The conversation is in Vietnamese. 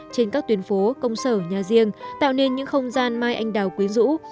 trên các tuyến phố công sở nhà riêng tạo nên những không gian mai anh đào quyến rũ